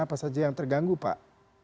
apa saja yang terganggu pak